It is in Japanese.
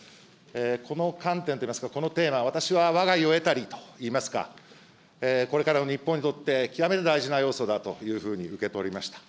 この観点といいますか、このテーマ、私はわが意を得たりといいますか、これからの日本にとって極めて大事な要素だというふうに受け取りました。